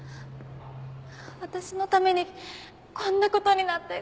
私のためにこんな事になってごめんなさい！